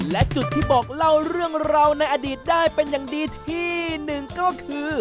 และจุดที่บอกเล่าเรื่องราวในอดีตได้เป็นอย่างดีที่หนึ่งก็คือ